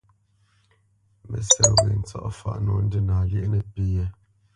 Mə́sɛ̌t wě ntsɔ̂faʼ nǒ ndína lyéʼ nəpí yɛ̌.